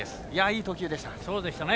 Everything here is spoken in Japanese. いい投球でした。